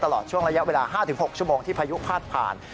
ตลอดช่วงระยะเวลา๕๖ชั่วโมงที่พายุพาดผ่าน